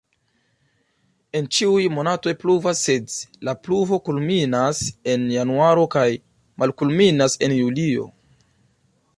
En ĉiuj monatoj pluvas, sed la pluvo kulminas en januaro kaj malkulminas en julio.